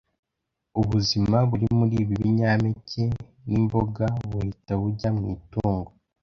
Ubuzima buri muri ibi binyampeke n’imboga buhita bujya mu itungo